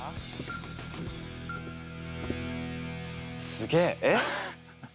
すげぇえっ？